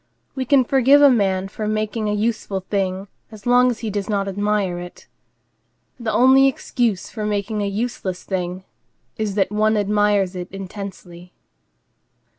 We can forgive a man for making a useful thing as long as he does not admire it. The only excuse for making a useless thing is that one admires it intensely.